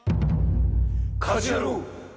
『家事ヤロウ！！！』。